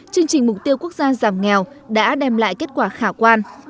chương trình mục tiêu quốc gia giảm nghèo đã đem lại kết quả khả quan